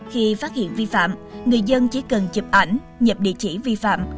khi phát hiện vi phạm người dân chỉ cần chụp ảnh nhập địa chỉ vi phạm